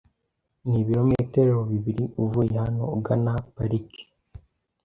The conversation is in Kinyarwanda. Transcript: Nibirometero bibiri uvuye hano ugana parike .